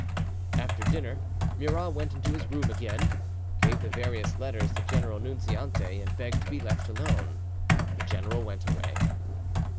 After dinner, Murat went into his room again, gave his various letters to General Nunziante, and begged to be left alone. The general went away.